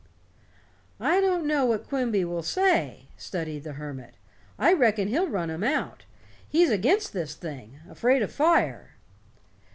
"I don't know what Quimby will say," studied the hermit. "I reckon he'll run 'em out. He's against this thing afraid of fire."